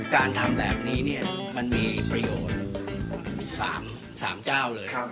การทำแบบนี้มันมีประโยชน์๓เจ้าเลย